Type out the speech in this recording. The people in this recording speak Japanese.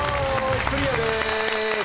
クリアです。